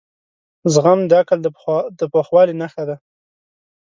زغم د عقل د پخوالي نښه ده.